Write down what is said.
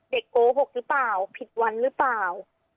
โกหกหรือเปล่าผิดวันหรือเปล่า